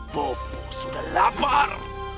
bopo sudah lapar